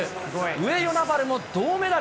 上与那原も銅メダル。